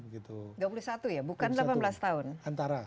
tiga puluh satu ya bukan delapan belas tahun